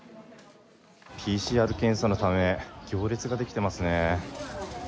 ＰＣＲ検査のため、行列が出来てますね。